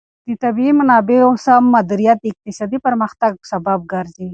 د طبیعي منابعو سم مدیریت د اقتصادي پرمختګ سبب ګرځي.